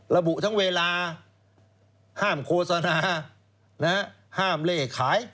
ระบุทั้งเวลาห้ามโฆษณาห้ามเล่ขาย